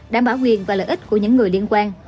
đảm bảo quyền và lợi ích của những người liên quan